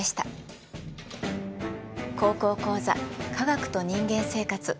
「高校講座科学と人間生活」。